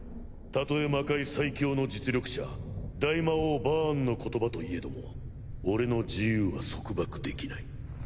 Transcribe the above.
たとえ魔界最強の実力者大魔王バーンの言葉といえども俺の自由は束縛できない。